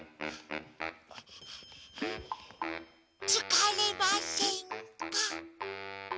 つかれませんか？